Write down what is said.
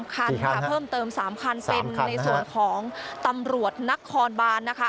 คันค่ะเพิ่มเติม๓คันเป็นในส่วนของตำรวจนครบานนะคะ